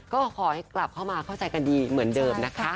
ก็ขอให้กลับเข้ามาเข้าใจกันดีเหมือนเดิมนะคะ